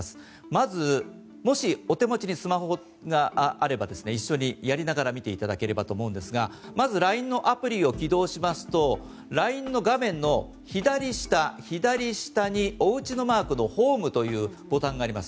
まず、もしお手持ちにスマホがあればですね一緒にやりながら見ていただければと思うんですがまずＬＩＮＥのアプリを起動しますとＬＩＮＥの画面の左下左下に、おうちのマークのホームというボタンがあります。